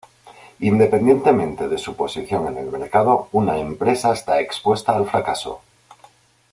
Independientemente de su posición en el mercado, una empresa está expuesta al fracaso.